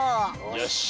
よし。